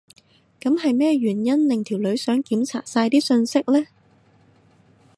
噉係咩原因令條女想檢查晒啲訊息呢？